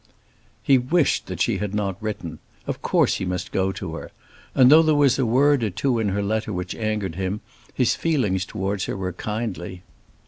He wished that she had not written. Of course he must go to her. And though there was a word or two in her letter which angered him, his feelings towards her were kindly.